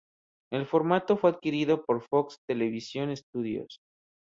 El formato fue adquirido por "Fox Television Studios".